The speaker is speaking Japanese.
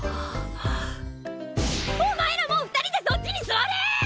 お前らもう２人でそっちに座れ！！